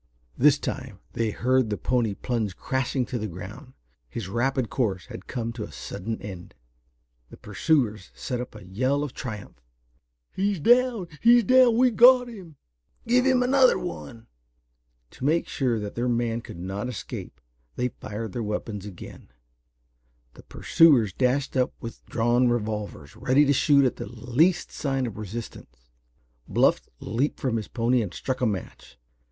This time they heard the pony plunge crashing to the ground. His rapid course had come to a sudden end. The pursuers set up a yell of triumph. "He's down! He's down! We've got him!" "Give him another one!" To make sure that their man should not escape they fired their weapons again. The pursuers dashed up with drawn revolvers, ready to shoot at the least sign of resistance. Bluff leaped from his pony and struck a match.